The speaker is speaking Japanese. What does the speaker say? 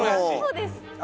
そうです。